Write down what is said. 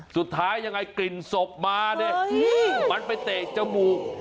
สุดท้ายยังไงกลิ่นศพมาดิมันไปเตะจมูก